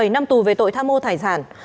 bảy năm tù về tội tham mô tài sản